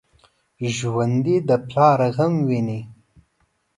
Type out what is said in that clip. ژوندي د پلار غم ویني